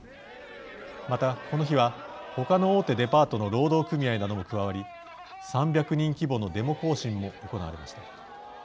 また、この日は他の大手デパートの労働組合なども加わり３００人規模のデモ行進も行われました。